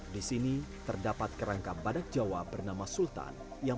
di sini terdapat kerangka badak jawa bernama badak jawa